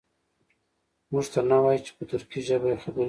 موږ ته نه وایي چې په ترکي ژبه یې خبرې کړي.